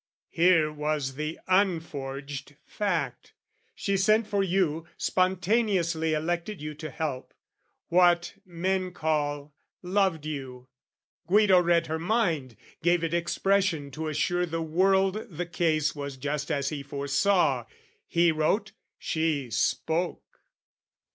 "Here was the unforged fact she sent for you, "Spontaneously elected you to help, " What men call, loved you: Guido read her mind, "Gave it expression to assure the world "The case was just as he foresaw: he wrote, "She spoke."